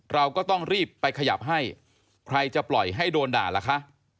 เราก็ต้องรีบไปขยับให้ใครจะปล่อยให้โดนด่าล่ะคะ